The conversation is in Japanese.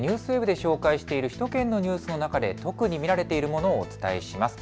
ＮＨＫＮＥＷＳＷＥＢで紹介している首都圏のニュースの中で特に見られているものをお伝えします。